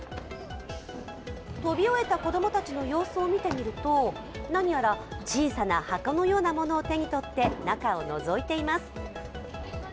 跳び終えた子供たちの様子を見てみると、何やら小さな箱のようなものを手に取って中をのぞいています。